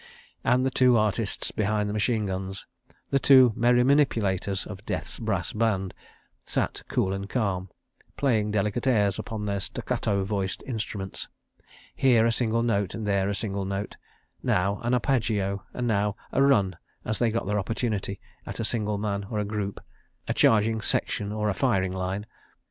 ... And the two artists behind the machine guns, the two merry manipulators of Death's brass band, sat cool and calm, playing delicate airs upon their staccato voiced instruments—here a single note and there a single note, now an arpeggio and now a run as they got their opportunity at a single man or a group, a charging section or a firing line.